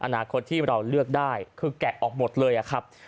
อนาคตที่เราเลือกได้คือแกะออกหมดเลยอะครับ